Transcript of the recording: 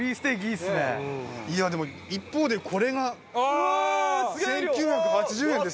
いやでも一方でこれが１９８０円ですよ。